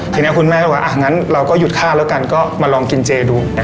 ทีนี้คุณแม่ก็บอกว่างั้นเราก็หยุดข้าวแล้วกันก็มาลองกินเจดู